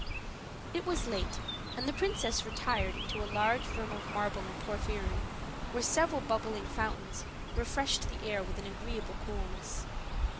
It was late, and the princess retired into a large room of marble and porphyry, where several bubbling fountains, refreshed the air with an agreeable coolness.